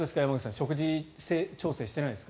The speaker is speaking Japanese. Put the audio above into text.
食事調整してないですか？